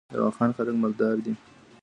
د واخان خلک مالدار دي